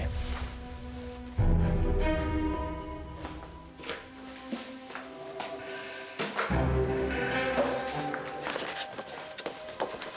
lihat gambar dari meter sil avoir